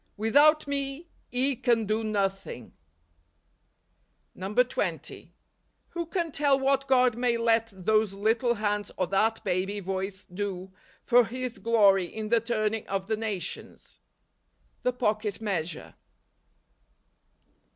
" Without me ye can do nothing." NOVEMBER. 131 20. Who can tell what God may let those little hands or that baby voice do for His glory in the turning of the nations ? The Pocket Measure.